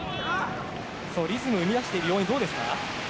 リズムを生み出している要因はどうですか。